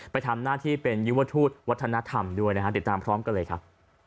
ไปทำหน้าที่เป็นยุวทูตวัฒนธรรมด้วยนะฮะติดตามพร้อมกันเลยครับ